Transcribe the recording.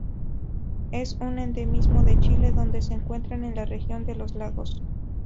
Es un endemismo de Chile, donde se encuentra en la Región de Los Lagos.